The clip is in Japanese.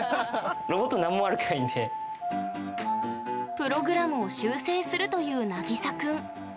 プログラムを修正するというなぎさくん。